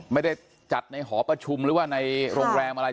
ไม่ได้จัดในหอประชุมหรือว่าในโรงแรมอะไร